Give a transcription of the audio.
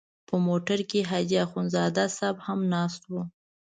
په موټر کې حاجي اخندزاده صاحب هم ناست و.